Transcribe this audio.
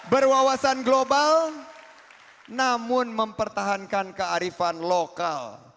berwawasan global namun mempertahankan kearifan lokal